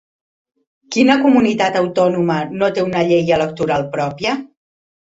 Quina comunitat autònoma no té una llei electoral pròpia?